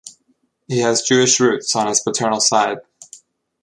He has Jewish roots on his paternal side.